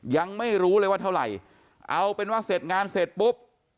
ยังไม่รู้เลยว่าเท่าไหร่เอาเป็นว่าเสร็จงานเสร็จปุ๊บ